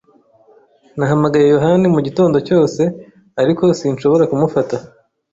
Nahamagaye yohani mugitondo cyose, ariko sinshobora kumufata.